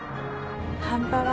半端は」